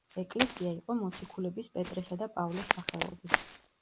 ეკლესია იყო მოციქულების პეტრესა და პავლეს სახელობის.